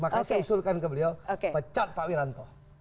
makanya saya usulkan ke beliau pecat pak wiranto